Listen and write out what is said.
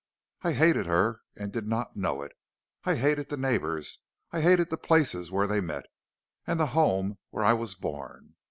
I hated her and did not know it; I hated the neighbors, and I hated the places where they met, and the home where I was born.